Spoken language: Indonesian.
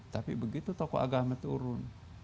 tapi begitu tokoh agama turun